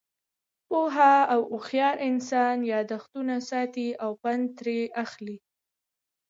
پوه او هوشیار انسان، یاداښتونه ساتي او پند ترې اخلي.